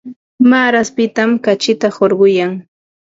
Maaraspitam kachita hurquyan.